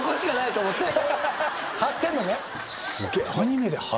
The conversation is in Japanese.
張ってんのね。